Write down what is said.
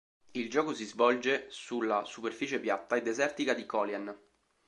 Il gioco si svolge sulla superficie piatta e desertica di Colian.